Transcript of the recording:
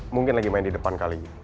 mungkin lagi main di depan kali